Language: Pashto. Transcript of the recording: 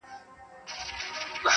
چي پر اوښ دي څه بار کړي دي څښتنه-